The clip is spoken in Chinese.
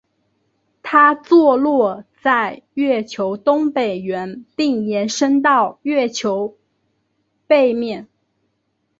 它坐落在月球东北缘并延伸到月球背面。